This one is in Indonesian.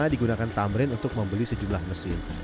digunakan tamrin untuk membeli sejumlah mesin